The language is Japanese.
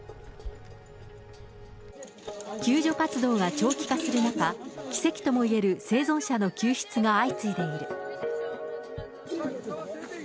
救助活動が長期化する中、奇跡ともいえる生存者の救出が相次いでいる。